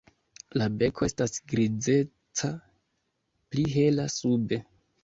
La beko estas grizeca, pli hela sube.